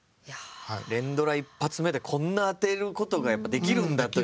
連ドラ１発目でこんな当てることができるんだという。